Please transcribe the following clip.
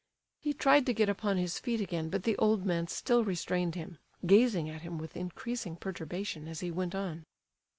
He tried to get upon his feet again, but the old man still restrained him, gazing at him with increasing perturbation as he went on.